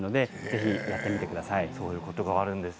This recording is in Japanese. ぜひ試してみてください。